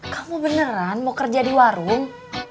kamu beneran mau kerja di warung